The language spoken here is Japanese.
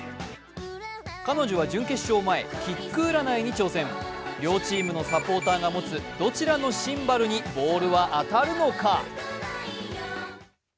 彼女は準決勝前、キック占いに挑戦両チームのサポーターが持つどちらのシンバルにボールは当たるのか。